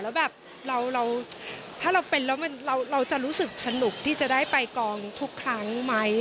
แล้วแบบเราจะรู้สึกสนุกที่จะได้ไปกองทุกครั้งไหม